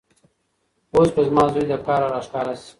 اوس به زما زوی له کاره راښکاره شي.